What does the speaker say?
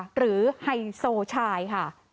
หรือไฮโซชายค่ะ